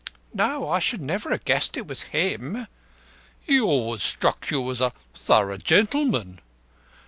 "No, I never should ha' guessed it was him." "He always struck you as a thorough gentleman?"